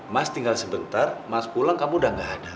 mas tinggal sebentar mas pulang kamu udah gak ada